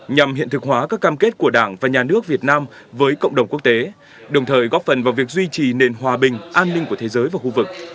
nhằm hiện thực hóa các cam kết của đảng và nhà nước việt nam với cộng đồng quốc tế đồng thời góp phần vào việc duy trì nền hòa bình an ninh của thế giới và khu vực